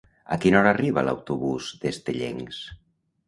A quina hora arriba l'autobús d'Estellencs?